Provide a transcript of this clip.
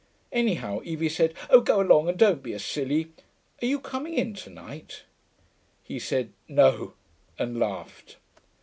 Anyhow Evie said, 'Oh, go along and don't be a silly.... Are you coming in to night?' He said 'No' and laughed.